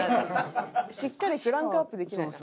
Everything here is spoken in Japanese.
しっかりクランクアップできないな。